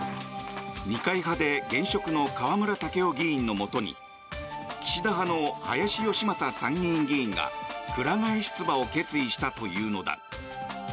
二階派で現職の河村建夫議員のもとに岸田派の林芳正参議院議員がくら替え出馬を決意したというのだ。